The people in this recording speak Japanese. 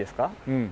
うん。